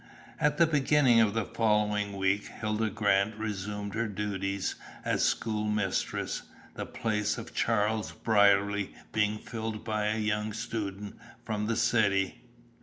At the beginning of the following week Hilda Grant resumed her duties as school mistress, the place of Charles Brierly being filled by a young student from the city.